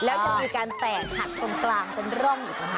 แล้วจะมีการแตกหักตรงเป็นร่องอีกแล้วค่ะ